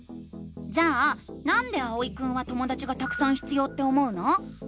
じゃあ「なんで」あおいくんはともだちがたくさん必要って思うの？